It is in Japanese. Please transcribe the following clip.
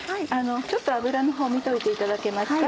ちょっと油のほう見といていただけますか？